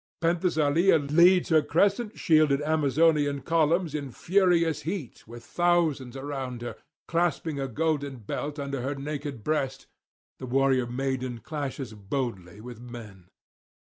Penthesilea leads her crescent shielded Amazonian columns in furious heat with [492 524]thousands around her; clasping a golden belt under her naked breast, the warrior maiden clashes boldly with men.